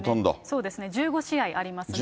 そうですね、１５試合ありますね。